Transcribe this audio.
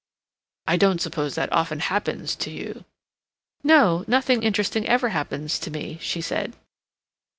"I don't suppose that often happens to you." "No. Nothing interesting ever happens to me," she said.